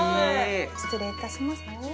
失礼いたします